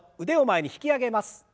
腕を前に引き上げます。